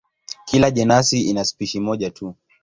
Kila jenasi ina spishi moja tu.